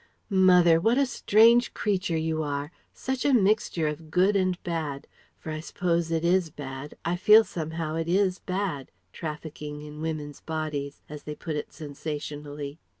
'" "Mother! what a strange creature you are! Such a mixture of good and bad for I suppose it is bad, I feel somehow it is bad, trafficking in women's bodies, as they put it sensationally.